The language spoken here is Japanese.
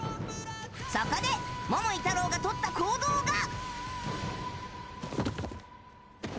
そこで桃井タロウがとった行動が。